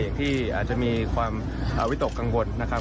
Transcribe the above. ที่อาจจะมีความวิตกกังวลนะครับ